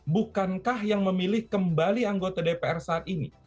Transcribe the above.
bukankah yang memilih kembali anggota dpr saat ini